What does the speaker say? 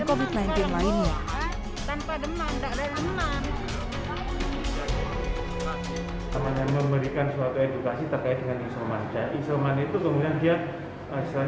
kovid sembilan belas lainnya tanpa demam tak ada namunan